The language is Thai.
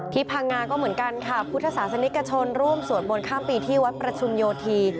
พังงาก็เหมือนกันค่ะพุทธศาสนิกชนร่วมสวดมนต์ข้ามปีที่วัดประชุมโยธี